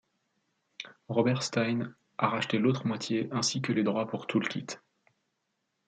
Robert Stein a racheté l'autre moitié, ainsi que les droits pour Toolkit.